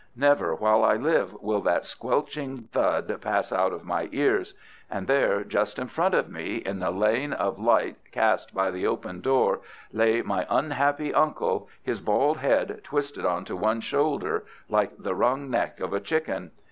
Never while I live will that squelching thud pass out of my ears. And there, just in front of me, in the lane of light cast by the open door, lay my unhappy uncle, his bald head twisted on to one shoulder, like the wrung neck of a chicken.